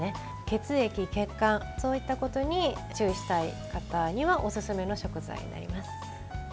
血液、血管、そういったことに注意したい方にはおすすめの食材になります。